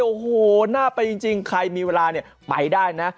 โอ้โหน่าไปจริงใครมีเวลาเนี่ยไปได้นะ